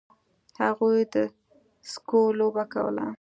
هغوی د سکو لوبه کوله.